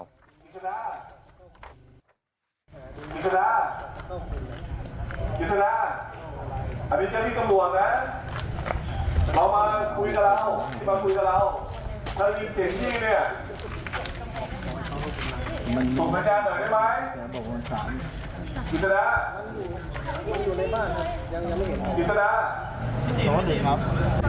ว่าเด็กครับ